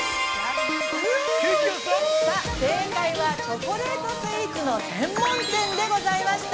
◆正解はチョコレートスイーツの専門店でございました。